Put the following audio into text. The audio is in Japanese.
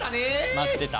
待ってた。